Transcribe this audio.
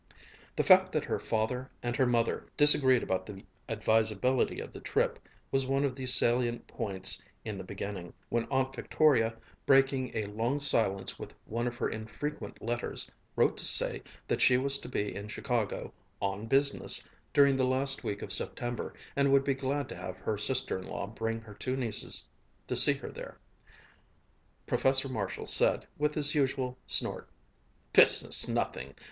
The fact that her father and her mother disagreed about the advisability of the trip was one of the salient points in the beginning. When Aunt Victoria, breaking a long silence with one of her infrequent letters, wrote to say that she was to be in Chicago "on business" during the last week of September, and would be very glad to have her sister in law bring her two nieces to see her there, Professor Marshall said, with his usual snort: "Business nothing!